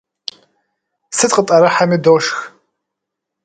Сыт къытӀэрыхьэми дошх!